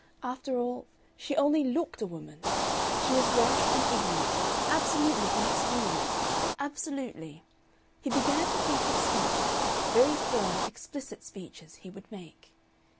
After all, she only LOOKED a woman. She was rash and ignorant, absolutely inexperienced. Absolutely. He began to think of speeches, very firm, explicit speeches, he would make.